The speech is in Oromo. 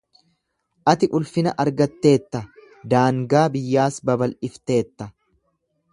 Ati ulfina argatteetta, daangaa biyyaas babal'ifteetta.